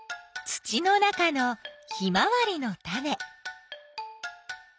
土の中のヒマワリのタネ。